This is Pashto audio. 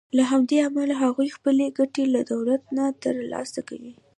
له همدې امله هغوی خپلې ګټې له دولت نه تر لاسه کوي.